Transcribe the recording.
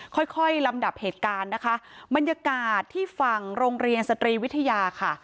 ค่อยค่อยลำดับเหตุการณ์นะคะบรรยากาศที่ฝั่งโรงเรียนสตรีวิทยาค่ะ